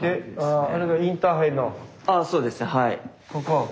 ああそうですねはい。